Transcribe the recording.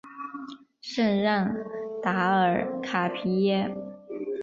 圣让达尔卡皮耶。